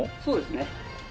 そうですね。